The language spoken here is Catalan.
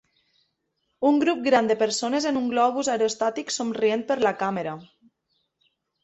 Un grup gran de persones en un globus aerostàtic somrient per la càmera.